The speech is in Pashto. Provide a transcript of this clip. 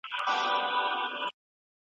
ښار دي جهاني د تورتمونو غېږ ته مخه کړه `